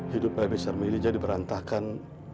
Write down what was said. hidup pak besar mili jadi berantakan